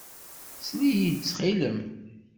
Sel-iyi-d, ttxil-m.